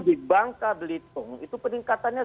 di bangka belitung itu peningkatannya